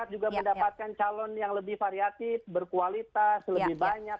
dan juga mendapatkan calon yang lebih variatif berkualitas lebih banyak